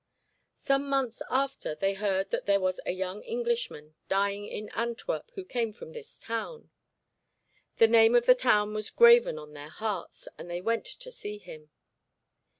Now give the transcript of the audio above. Some months after they heard that there was a young Englishman dying in Antwerp who came from this town. The name of the town was graven on their hearts, and they went to see him.